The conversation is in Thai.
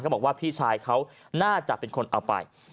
บอกว่าพี่ชายเขาน่าจะเป็นคนเอาไป